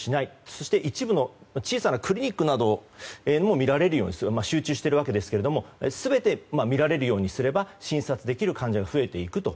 そして一部のクリニックに集中しているわけですが全て診られるようにすれば診察できる患者が増えていくと。